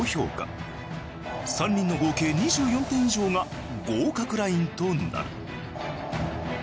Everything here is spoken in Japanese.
３人の合計２４点以上が合格ラインとなる。